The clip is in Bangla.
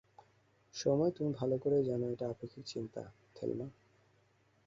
সময়, তুমি ভালো করেই জানো এটা আপেক্ষিক চিন্তা, থেলমা।